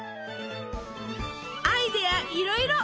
アイデアいろいろ！